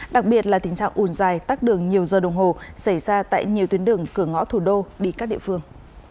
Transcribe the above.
đặc biệt là tình trạng ùn dài tắc đường nhiều giờ đồng hồ xảy ra tại nhiều tuyến đường cửa ngõ thủ đô đi các địa phương